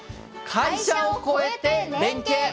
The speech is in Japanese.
「会社を超えて連携！